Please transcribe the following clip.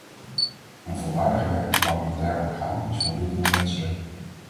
Een volwaardig werkend parlementair orgaan is voor dit doel wenselijk.